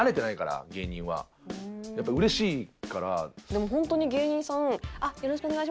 でもホントに芸人さん。